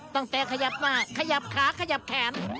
ตั้งแต่ขยับหน้าขยับขาขยับแขน